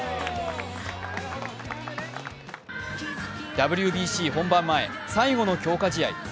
ＷＢＣ本番前、最後の強化試合。